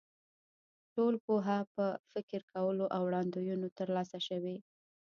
ټوله پوهه په فکر کولو او وړاندوینو تر لاسه شوې.